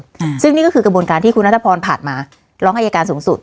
อืมซึ่งนี่ก็คือกระบวนการที่คุณนัทพรผ่านมาร้องอายการสูงสุด